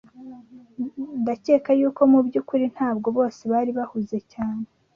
Ndakeka yuko mubyukuri ntabwo bose bari bahuze cyane.